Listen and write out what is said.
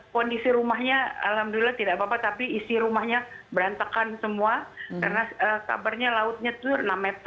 kondisi rumahnya alhamdulillah tidak apa apa tapi isi rumahnya berantakan semua karena kabarnya lautnya itu enam meter